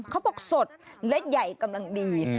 เขาบอกสดและใหญ่กำลังดี